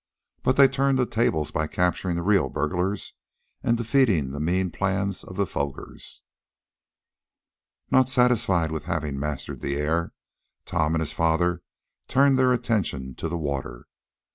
But they turned the tables by capturing the real burglars, and defeating the mean plans of the Fogers. Not satisfied with having mastered the air Tom and his father turned their attention to the water. Mr.